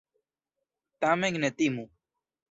Tamen ne timu!